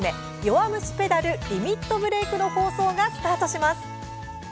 「弱虫ペダルリミットブレイク」の放送がスタートします。